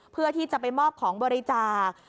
เพื่อที่จะไปมอบของบริจาค